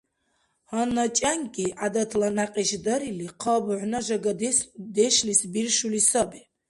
Гьанна чӏянкӏи, гӏядатла някьиш дарили, хъа бухӏна жагадешлис биршули саби.